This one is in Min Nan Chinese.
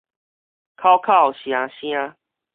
口口聲聲